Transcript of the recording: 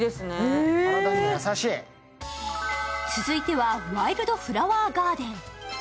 続いてはワイルドフラワーガーデン。